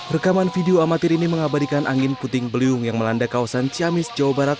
rekaman video amatir ini mengabadikan angin puting beliung yang melanda kawasan ciamis jawa barat